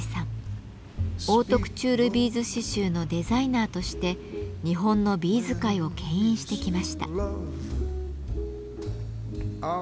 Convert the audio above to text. オートクチュールビーズ刺繍のデザイナーとして日本のビーズ界を牽引してきました。